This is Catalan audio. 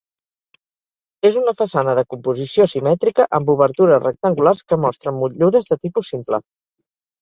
És una façana de composició simètrica, amb obertures rectangulars que mostren motllures de tipus simple.